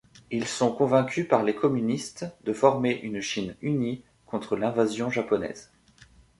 Ils sont convaincus par les communistes de former une Chine unie contre l'invasion japonaise.